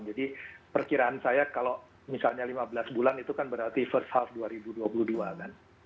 jadi perkiraan saya kalau misalnya lima belas bulan itu kan berarti first half dua ribu dua puluh dua kan